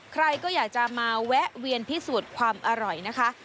ใครก็อยากจะมาแวะเวียนพิสูจน์ความอร่อยนะคะ